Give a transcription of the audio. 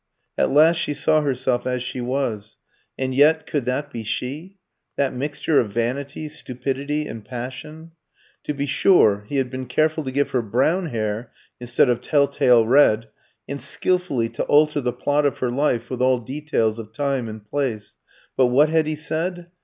At last she saw herself as she was. And yet could that be she? That mixture of vanity, stupidity, and passion? To be sure, he had been careful to give her brown hair instead of tell tale red, and skillfully to alter the plot of her life with all details of time and place; but what had he said?